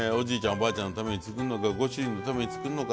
おばあちゃんのために作んのかご主人のために作るのか。